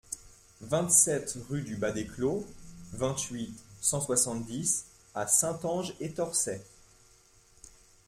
vingt-sept rue du Bas des Clos, vingt-huit, cent soixante-dix à Saint-Ange-et-Torçay